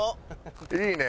いいね！